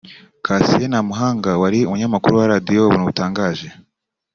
Cassien Ntamuhanga wari umunyamakuru wa Radiyo Ubuntu butangaje